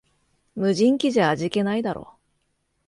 無人機じゃ味気ないだろ